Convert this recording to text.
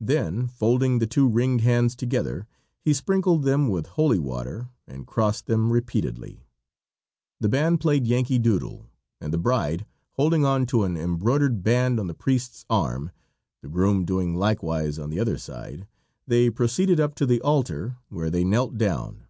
Then, folding the two ringed hands together, he sprinkled them with holy water and crossed them repeatedly. The band played "Yankee Doodle," and the bride, holding on to an embroidered band on the priest's arm, the groom doing likewise on the other side, they proceeded up to the altar, where they knelt down.